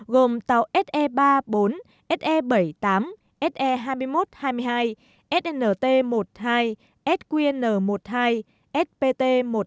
gồm tàu se ba mươi bốn se bảy mươi tám se hai mươi một hai mươi hai snt một mươi hai sqn một mươi hai spt một mươi hai